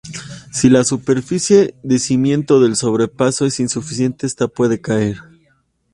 Si la superficie de cimiento del sobrepaso es insuficiente, esta puede caer.